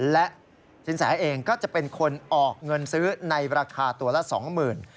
และสินแสเองก็จะเป็นคนออกเงินซื้อในราคาตัวละ๒๐๐๐บาท